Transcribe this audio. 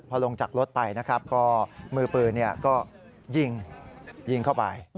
พอลงจากรถไปนะครับก็มือปืนก็ยิงยิงเข้าไป